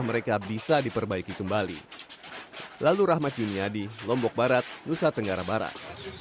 mereka bisa diperbaiki kembali lalu rahmat juniadi lombok barat nusa tenggara barat